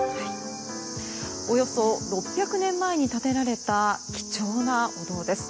およそ６００年前に建てられた貴重なお堂です。